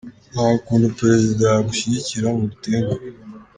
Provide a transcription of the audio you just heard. Nta kuntu Perezida yagushyigikira ngo umutenguhe.